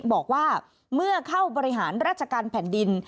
บอกว่าเมื่อเข้าบริหารราชการแผ่นดิน